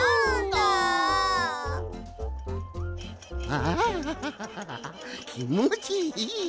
はあきもちいい！